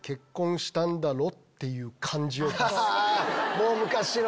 あもう昔の。